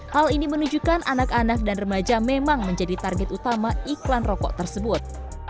hal ini menunjukkan anak anak dan remaja memang menjadi target utama iklan rokok tersebut